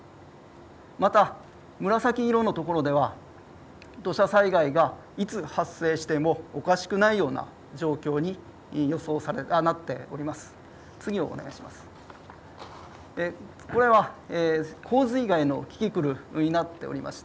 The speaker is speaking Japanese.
また紫色の所では土砂災害がいつ発生してもおかしくないような状況になっています。